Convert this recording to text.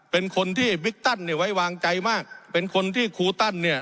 เป็นคนที่บิ๊กตันเนี่ยไว้วางใจมากเป็นคนที่ครูตันเนี่ย